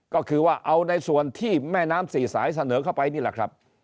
ก็คือว่าเอาในส่วนที่แม่น้ำสี่สายเสนอเข้าไปนี่แหละครับ